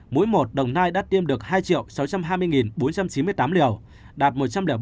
mũi một đồng nai đã tiêm được hai sáu trăm hai mươi bốn trăm chín mươi tám liều đạt một trăm linh bốn bốn mươi tám